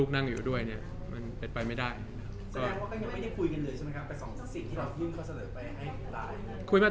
เขาก็ยังไม่มาแล้วมาคุยครับ